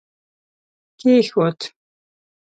کښېښود